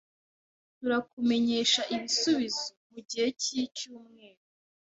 Turakumenyesha ibisubizo mugihe cyicyumweru